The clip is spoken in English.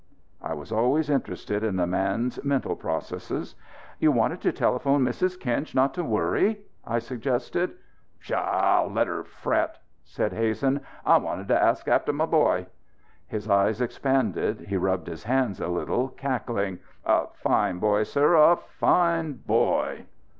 I was always interested in the man's mental processes. "You wanted to telephone Mrs. Kinch not to worry?" I suggested. "Pshaw, let her fret!" said Hazen. "I wanted to ask after my boy." His eyes expanded, he rubbed his hands a little, cackling. "A fine boy, sir! A fine boy!"